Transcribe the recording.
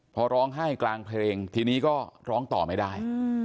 พอร้องไห้กลางเพลงทีนี้ก็ร้องต่อไม่ได้